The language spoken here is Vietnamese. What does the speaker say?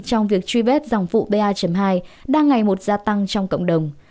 trong việc truy vết dòng phụ pa hai đang ngày một gia tăng trong cộng đồng